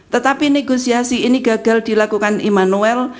tetapi negosiasi ini gagal dilakukan immanuel